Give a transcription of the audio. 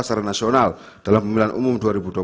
secara nasional dalam pemilihan umum dua ribu dua puluh empat